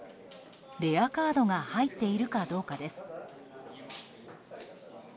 レアカードが入っているかどうかです。